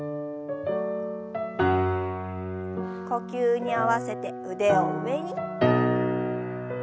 呼吸に合わせて腕を上に。